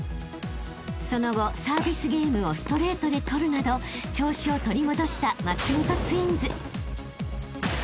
［その後サービスゲームをストレートで取るなど調子を取り戻した松本ツインズ］